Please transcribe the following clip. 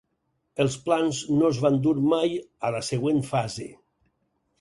Els plans no es van dur mai a la següent fase.